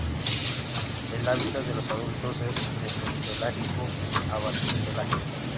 El hábitat de los adultos es mesopelágico a batipelágico.